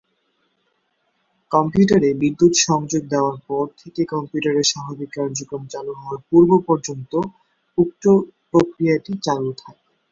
কম্পিউটারে বিদ্যুত সংযোগ দেয়ার পর থেকে কম্পিউটারের স্বাভাবিক কার্যক্রম চালু হওয়ার পূর্ব পর্যন্ত উক্ত প্রক্রিয়াটি চালু থাকে।